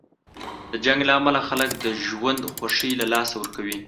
د جنګ له امله خلک د ژوند خوښۍ له لاسه ورکوي.